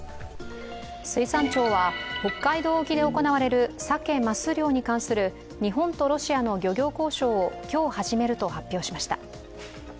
水産庁は北海道沖で行われるサケ・マス漁に関する日本とロシアの漁業交渉を今日、始めると発表しました。